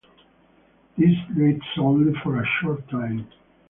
This lasted only for a short time.